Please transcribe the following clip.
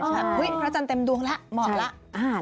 พระจันทร์เต็มดวงอีกอย่าง